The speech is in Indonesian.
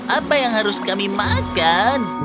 apa yang harus kami makan